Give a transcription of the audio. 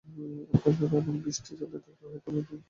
আকাশজুড়ে এমন বৃষ্টি চলতে থাকলে হয়তো আরও কয়েক দিন দেখা হবে না।